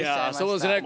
そうですね。